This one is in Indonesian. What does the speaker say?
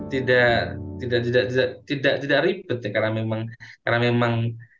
tidak tidak tidak tidak tidak tidak ribet ya karena memang karena memang